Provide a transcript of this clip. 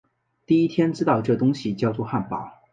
第一天知道这东西叫作汉堡